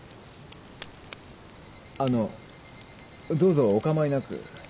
あのうどうぞお構いなく。